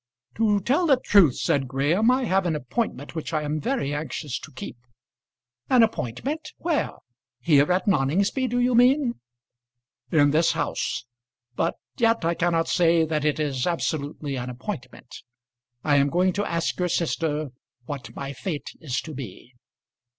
"To tell the truth," said Graham, "I have an appointment which I am very anxious to keep." "An appointment? Where? Here at Noningsby, do you mean?" "In this house. But yet I cannot say that it is absolutely an appointment. I am going to ask your sister what my fate is to be."